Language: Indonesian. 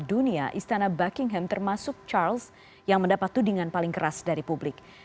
dunia istana buckingham termasuk charles yang mendapat tudingan paling keras dari publik